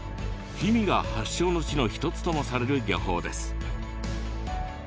氷見が発祥の地の一つともされる漁法です。